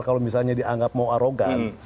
kalau misalnya dianggap mau arogan